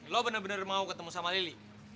lu bener bener mau ketemu sama lili